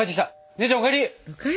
姉ちゃんお帰り！